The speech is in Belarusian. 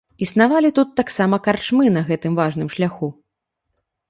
Існавалі тут таксама карчмы на гэтым важным шляху.